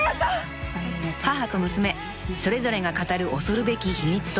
［母と娘それぞれが語る恐るべき秘密とは？］